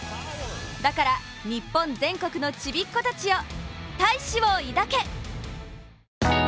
だから日本全国のちびっこたちよ、大志を抱け！